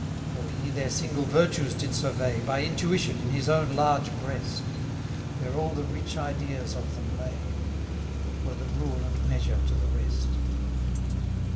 26 Or he their single virtues did survey, By intuition, in his own large breast; Where all the rich ideas of them lay; That were the rule and measure to the rest.